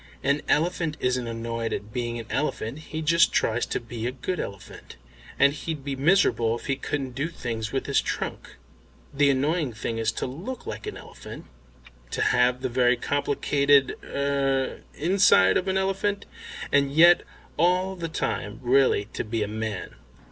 An elephant isn't annoyed at being an elephant; he just tries to be a good elephant, and he'd be miserable if he couldn't do things with his trunk. The annoying thing is to look like an elephant, to have the very complicated er inside of an elephant, and yet all the time really to be a man."